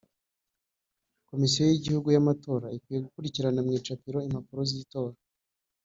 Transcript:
Komisiyo y igihugu y amatora ikwiye gukurikirana mu icapiro impapuro z itora